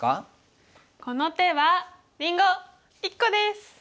この手はりんご１個です！